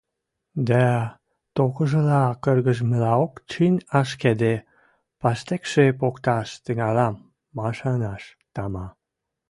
дӓ токыжыла кыргыжмылаок чӹнь ашкедӹ, паштекшӹ покташ тӹнгӓлӓм машаныш, тама.